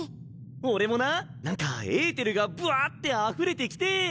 俺もな何かエーテルがブワってあふれてきて。